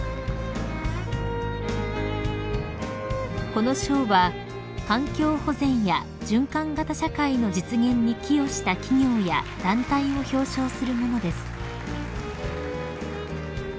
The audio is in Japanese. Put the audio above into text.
［この賞は環境保全や循環型社会の実現に寄与した企業や団体を表彰するものです］